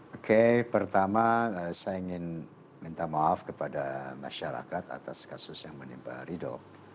oke pertama saya ingin minta maaf kepada masyarakat atas kasus yang menimpa ridho